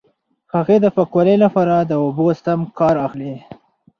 هغې د پاکوالي لپاره د اوبو سم کار اخلي.